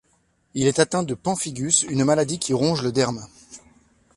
Il est atteint de pemphigus, une maladie qui ronge le derme.